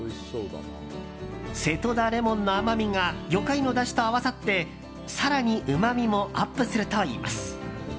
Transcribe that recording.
瀬戸田レモンの甘みが魚介のだしと合わさって更にうまみもアップするといいます。